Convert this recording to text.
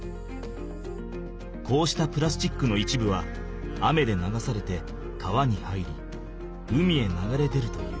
こうしたプラスチックの一部は雨で流されて川に入り海へ流れ出るという。